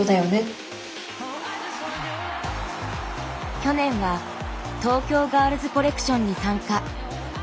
去年は東京ガールズコレクションに参加。